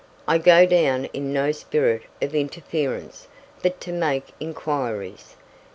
"I go down in no spirit of interference, but to make inquiries.